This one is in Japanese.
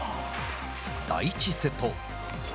第１セット。